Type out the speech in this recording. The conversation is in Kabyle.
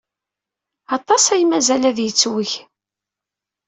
Aṭas ay mazal ad yettweg.